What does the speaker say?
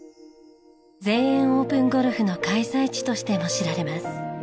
全英オープンゴルフの開催地としても知られます。